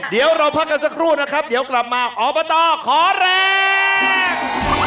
เดี๋ยวเราพักกันสักครู่นะครับเดี๋ยวกลับมาอบตขอแรง